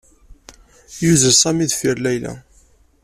Yuzzel Sami deffir Layla.